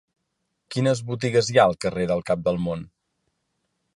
Quines botigues hi ha al carrer del Cap del Món?